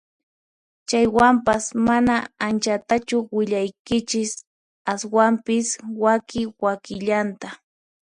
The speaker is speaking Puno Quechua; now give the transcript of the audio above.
Chaywanpas mana anchatachu willaykichis ashwampis waki wakillanta